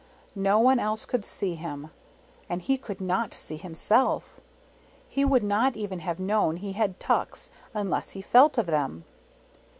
No one else could see him, and he could not see himself. He would not even have known he had tucks unless he felt of them.